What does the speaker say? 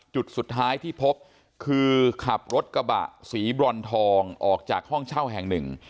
จุดสุดท้ายที่พบคือขับรถกระบะสีบรอนทองออกจากห้องเช่าแห่งหนึ่ง